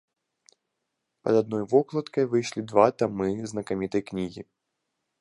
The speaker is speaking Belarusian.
Пад адной вокладкай выйшлі два тамы знакамітай кнігі.